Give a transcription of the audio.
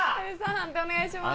判定お願いします。